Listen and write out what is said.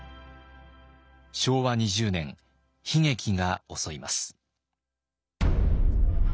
昭和２０年悲劇が襲います。